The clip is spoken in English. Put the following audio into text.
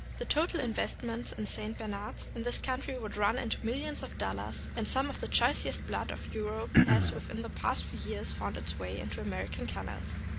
The total investments in St. Bernards in this country would run into millions of dollars, and some of the choicest blood of Europe has within the past few years found its way into American kennels.